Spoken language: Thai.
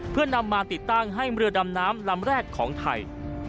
เพื่อนำมาติดตั้งให้เรือดำน้ำลำแรกของไทย